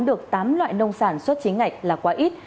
được tám loại nông sản xuất chính ngạch là quá ít